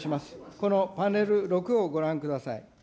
このパネル６をご覧ください。